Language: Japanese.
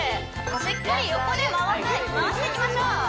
しっかり横で回す回していきましょう